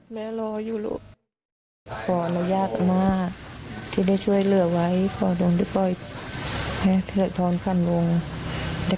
แม่รออยู่ล่ะ